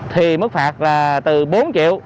thì mức phạt là từ bốn triệu